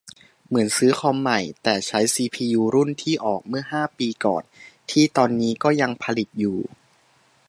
เหมือนซื้อคอมใหม่ แต่ใช้ซีพียูรุ่นที่ออกเมื่อห้าปีก่อน ที่ตอนนี้ก็ยังผลิตอยู่